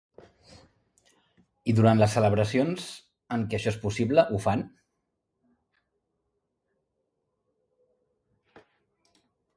I durant les celebracions en què això és possible, ho fan?